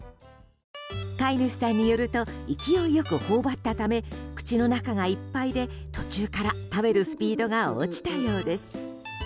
飼い主さんによると勢い良く頬張ったため口の中がいっぱいで途中から、食べるスピードが落ちたようです。